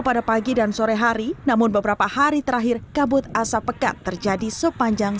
pada pagi dan sore hari namun beberapa hari terakhir kabut asap pekat terjadi sepanjang